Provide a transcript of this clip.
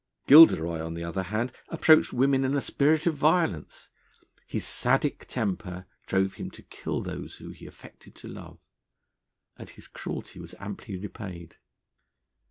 Gilderoy, on the other hand, approached women in a spirit of violence. His Sadic temper drove him to kill those whom he affected to love. And his cruelty was amply repaid.